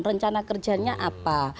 rencana kerjanya apa